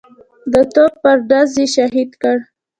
د توپ پر ډز یې شهید کړ.